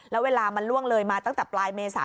แล้วเวลามันล่วงเลยมาตั้งแต่ปลายเมษา